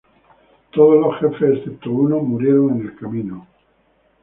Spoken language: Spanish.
Todos los jefes excepto uno murieron en el camino.